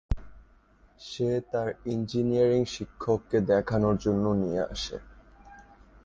সে তার ইঞ্জিনিয়ারিং শিক্ষককে দেখানোর জন্য নিয়ে আসে।